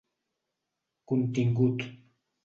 Contingut: